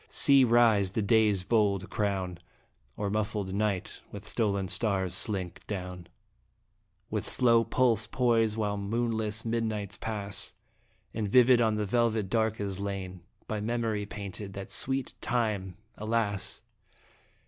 See rise the Day's bold crown, Or muffled Night with stolen stars slink down . With slow pulse poise while moonless midnights pass. And vivid on the velvet dark is lain, By memory painted, that sweet time alas